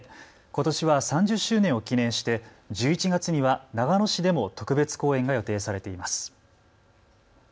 ことしは３０周年を記念して１１月には長野市でも特別公演が予定されています。